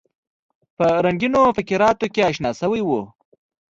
په رنګینو فقراتو کې انشا شوی وو.